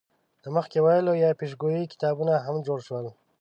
د مخکې ویلو یا پیشګویۍ کتابونه هم جوړ شول.